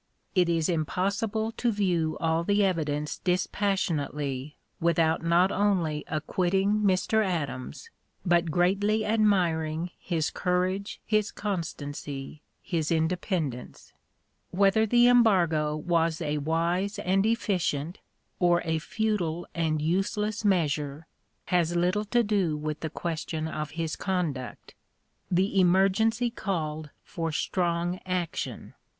It is impossible to view all the evidence dispassionately without not only acquitting Mr. (p. 054) Adams but greatly admiring his courage, his constancy, his independence. Whether the embargo was a wise and efficient or a futile and useless measure has little to do with the question of his conduct. The emergency called for strong action.